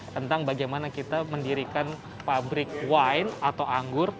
tentang bagaimana kita mendirikan pabrik wine atau anggur